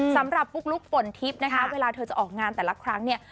สำหรับปุ๊กลุ๊กปนทิปนะคะเวลาเธอจะออกงานแต่ละครั้งเนี่ย